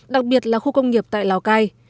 đặc biệt là khu công nghiệp tại lào cai